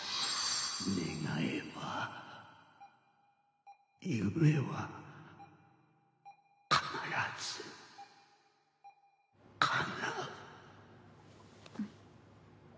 願えば夢は必ずかなうんっ。